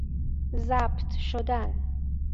ضبط شدن